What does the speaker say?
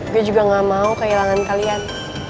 dia juga gak mau kehilangan kalian